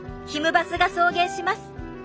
バスが送迎します。